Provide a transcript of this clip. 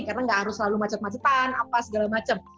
karena nggak harus selalu macet macetan apa segala macam